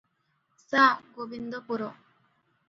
ସା-ଗୋବିନ୍ଦପୁର ।